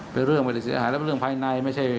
เป็นเรื่องไม่ได้เสียหายแล้วเป็นเรื่องภายในไม่ใช่